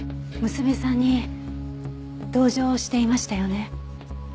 娘さんに同情をしていましたよね。